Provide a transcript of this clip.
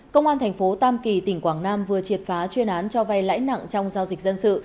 công an thành phố tam kỳ tỉnh quảng nam vừa triệt phá chuyên án cho vay lãi nặng trong giao dịch dân sự